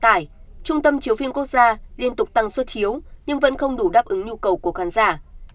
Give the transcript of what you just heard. tuy nhiên trung tâm chiếu phim quốc gia liên tục tăng suốt chiếu nhưng vẫn không đủ đáp ứng nhu cầu của khán giả